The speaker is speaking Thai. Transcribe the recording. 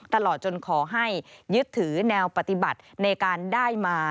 ตลอดจนขอให้ยึดถือแนวปฏิบัติในการได้มา